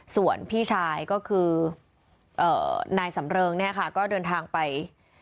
ส่วนพี่ชายก็คือนายสำเริงเนี่ยค่ะก็เดินทางไป